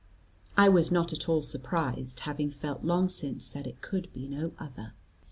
I was not at all surprised, having felt long since that it could be no other.